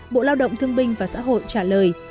bộ lao động thương binh và xã hội trả lời